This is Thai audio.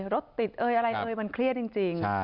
รถติดอะไรมันเครียดจริง